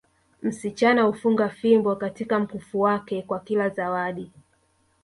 Msichana hufunga fimbo katika mkufu wake kwa kila zawadi